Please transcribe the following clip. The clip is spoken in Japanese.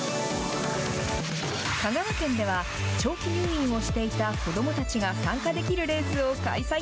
香川県では、長期入院をしていた子どもたちが参加できるレースを開催。